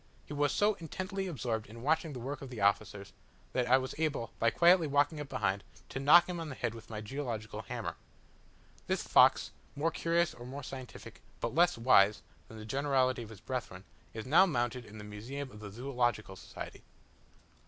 He was so intently absorbed in watching the work of the officers, that I was able, by quietly walking up behind, to knock him on the head with my geological hammer. This fox, more curious or more scientific, but less wise, than the generality of his brethren, is now mounted in the museum of the Zoological Society.